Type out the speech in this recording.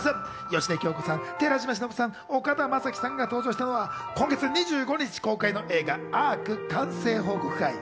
芳根京子さん、寺島しのぶさん、岡田将生さんが登場したのは、今月２５日公開の映画『Ａｒｃアーク』完成報告会。